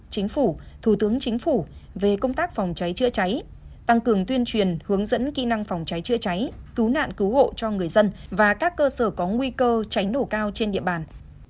chính phủ thủ tướng chính phủ về công tác phòng cháy chữa cháy tăng cường tuyên truyền hướng dẫn kỹ năng phòng cháy chữa cháy cứu nạn cứu hộ cho người dân và các cơ sở có nguy cơ cháy nổ cao trên địa bàn